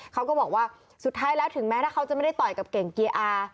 เขาก็บอกว่าสุดท้ายแล้วถึงแม้ถ้าเขาจะไม่ได้ต่อยกับเก่งเกียร์อา